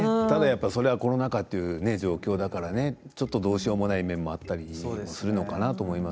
ただコロナ禍という状況だからどうしようもない状況もあったりするのかな？